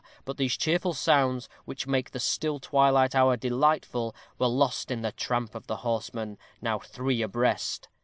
But these cheerful sounds, which make the still twilight hour delightful, were lost in the tramp of the horsemen, now three abreast.